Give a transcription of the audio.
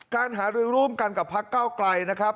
การหารือร่วมกันกับพักเก้าไกลนะครับ